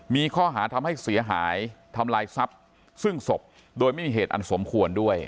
มีข้อหาทำให้เสียหายทำลายทรัพย์ซึ่งศพโดยไม่มีเหตุอันสมควรด้วย